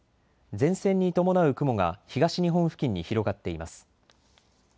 前線に伴う雲が東日本付近に広がっています。